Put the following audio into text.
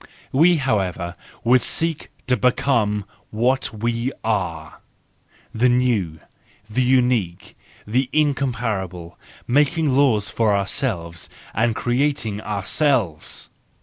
We, however, would seek to become what we are> —the new, the unique, the in¬ comparable, making laws for ourselves and creating ourselves